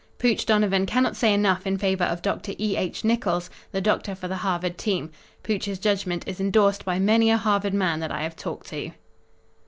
Pooch Donovan cannot say enough in favor of Doctor E. H. Nichols, the doctor for the Harvard team. Pooch's judgment is endorsed by many a Harvard man that I have talked to.